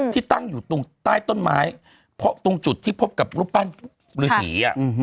ที่ตั้งอยู่ตรงใต้ต้นไม้เพราะตรงจุดที่พบกับรูปปั้นฤษี